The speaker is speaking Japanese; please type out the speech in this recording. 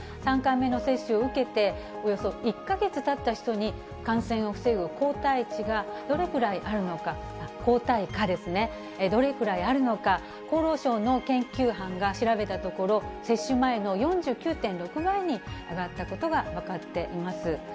３回目の接種を受けて、およそ１か月たった人に、感染を防ぐ抗体値がどれくらいあるのか、抗体価ですね、どれくらいあるのか、厚労省の研究班が調べたところ、接種前の４９．６倍に上がったことが分かっています。